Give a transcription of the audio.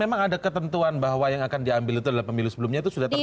memang ada ketentuan bahwa yang akan diambil itu adalah pemilu sebelumnya itu sudah terbukti